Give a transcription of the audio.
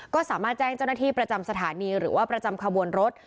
ก็สามารถแจ้งเจ้าหน้าที่ประจำสถานีหรือว่าประจำขบวนรถ